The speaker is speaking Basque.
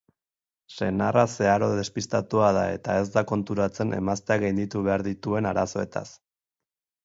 Senarra zeharo despistatua da eta ez da konturatzen emazteak gainditu behar dituen arazoetaz.